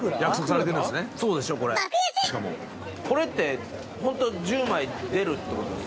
これってホント１０枚出るってこと？